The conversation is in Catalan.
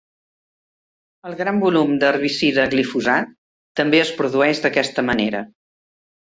El gran volum d'herbicida glifosat també es produeix d'aquesta manera.